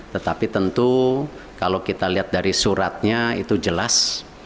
tetapi tentu kalau kita lihat dari suratnya itu jelas